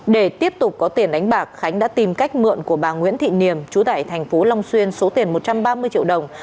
để tiếp tục có tiền đánh bạc khánh đã tìm cách mượn của bà nguyễn thị niềm chú tại thành phố long xuyên số tiền một trăm ba mươi triệu đồng